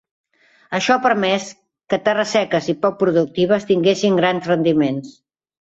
Això ha permès que terres seques i poc productives tinguessin grans rendiments.